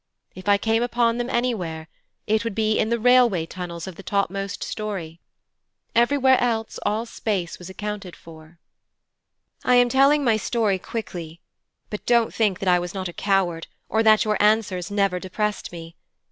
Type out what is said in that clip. If I came upon them anywhere, it would be in the railway tunnels of the topmost storey. Everywhere else, all space was accounted for. 'I am telling my story quickly, but don't think that I was not a coward or that your answers never depressed me.